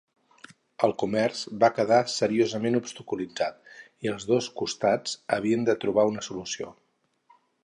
El comerç va quedar seriosament obstaculitzat i els dos costats havien de trobar una solució.